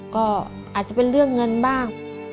ก็อาจจะเป็นเรื่องเงินบ้าง